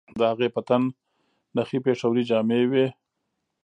د هغې په تن نخي پېښورۍ جامې وې